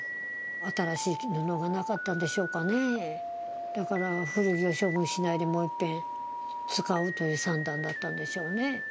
新しい布がなかったんでしょうかね、だから古着を処分しないでもう一遍使うという算段だったんでしょうね。